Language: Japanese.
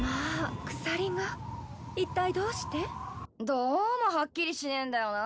どうもはっきりしねえんだよな。